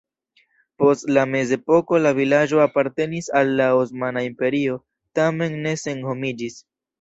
Post la mezepoko la vilaĝo apartenis al la Osmana Imperio, tamen ne senhomiĝis.